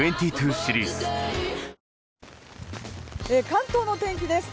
関東の天気です。